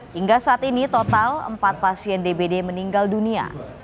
hingga saat ini total empat pasien dbd meninggal dunia